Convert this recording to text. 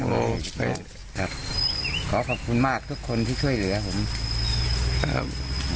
โอ้โหขอบคุณมากทุกคนที่ช่วยเหลือผมครับ